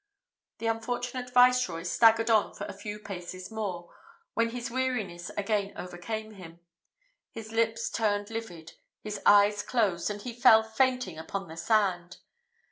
The unfortunate Viceroy staggered on for a few paces more, when his weariness again overcame him; his lips turned livid, his eyes closed, and he fell fainting upon the sand.